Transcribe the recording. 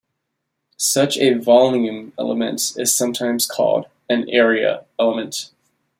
Such a volume element is sometimes called an "area element".